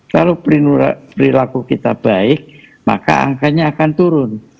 kalau perilaku kita baik maka angkanya akan turun